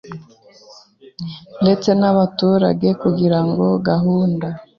ndetse n abaturage kugira ngo gahunda